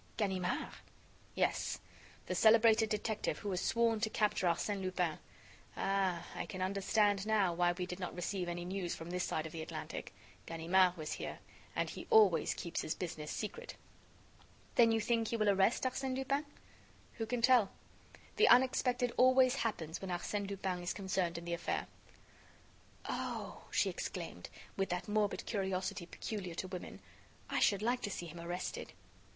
"Ganimard?" "Yes, the celebrated detective who has sworn to capture Arsène Lupin. Ah! I can understand now why we did not receive any news from this side of the Atlantic. Ganimard was here! and he always keeps his business secret." "Then you think he will arrest Arsène Lupin?" "Who can tell? The unexpected always happens when Arsène Lupin is concerned in the affair." "Oh!" she exclaimed, with that morbid curiosity peculiar to women, "I should like to see him arrested."